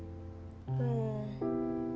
うん。